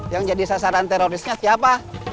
yang jadi sasaran terorisnya siapa